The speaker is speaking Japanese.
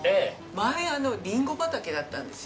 前あのリンゴ畑だったんですよ。